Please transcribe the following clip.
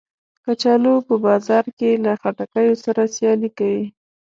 کچالو په بازار کې له خټکیو سره سیالي کوي